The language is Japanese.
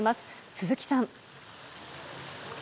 鈴木さん。